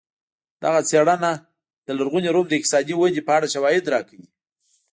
دغه څېړنه د لرغوني روم د اقتصادي ودې په اړه شواهد راکوي